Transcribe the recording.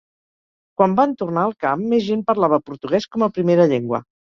Quan van tornar al camp, més gent parlava portuguès com a primera llengua.